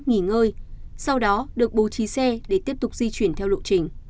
nghỉ ngơi sau đó được bố trí xe để tiếp tục di chuyển theo lộ trình